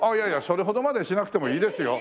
それほどまでしなくてもいいですよ。